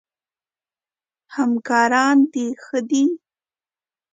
همکاران د ښه دي؟